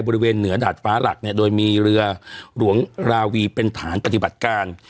บริเวณเหนือดาดฟ้าหลักเนี่ยโดยมีเรือหลวงราวีเป็นฐานปฏิบัติการ